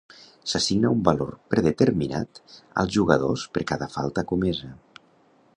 S'assigna un valor predeterminat als jugadors per cada falta comesa.